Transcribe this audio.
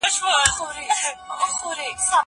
هغه وويل چي لوښي وچول مهم دي!